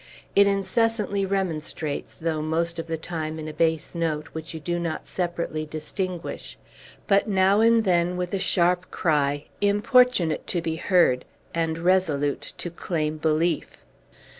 It incessantly remonstrates, though, most of the time, in a bass note, which you do not separately distinguish; but, now and then, with a sharp cry, importunate to be heard, and resolute to claim belief.